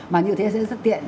mà như thế sẽ rất tiện